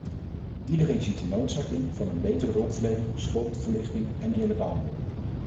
Iedereen ziet de noodzaak in van een betere hulpverlening, schuldverlichting en eerlijke handel.